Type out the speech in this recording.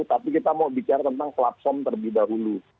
tapi kita mau bicara tentang platform terlebih dahulu